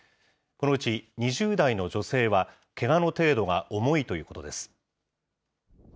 このうち２０代の女性は、けがの程度が重いということです。